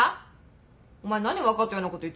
お前何分かったようなこと言ってんだよ。